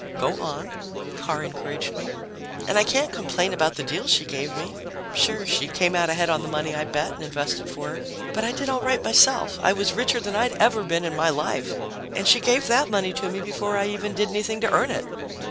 "Go on," Carr encouraged me. "And I can't complain about the deal she gave me. Sure, she came out ahead on the money I bet and invested for her. But I did all right myself I was richer than I'd ever been in my life and she gave that money to me before I even did anything to earn it!"